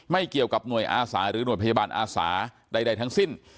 ไม่เกี่ยวกับหน่วยอาสาหรือหน่วยพยาบาลอาสาใดทั้งสิ้น